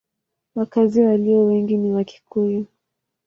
Wakazi walio wengi ni Wakikuyu.